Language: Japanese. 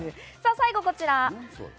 最後はこちら。